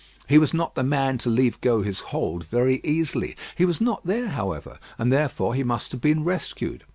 He was not the man to leave go his hold very easily. He was not there, however; and therefore he must have been rescued.